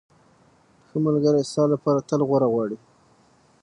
ښه ملګری ستا لپاره تل غوره غواړي.